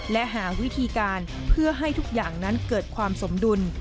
และหาวิธีการเพื่อให้ทุกอย่างนั้นเกิดความสมดุล